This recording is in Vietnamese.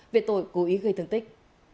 về tội cố ý gây thương tích